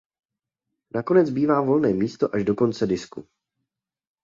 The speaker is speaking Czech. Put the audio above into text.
Nakonec zbývá volné místo až do konce disku.